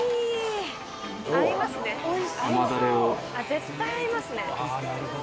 絶対合いますね。